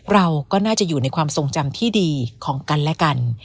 เราก็น่าจะอยู่ในความทรงจำที่ดีของกันและกัน